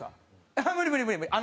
ああ無理無理無理無理！」。